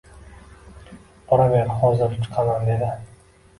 Boraver hozir chiqaman, dedi